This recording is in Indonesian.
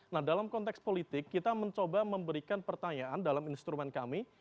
nah dalam konteks politik kita mencoba memberikan pertanyaan dalam instrumen kami